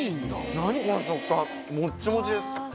何この食感もっちもちです。